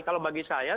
kalau bagi saya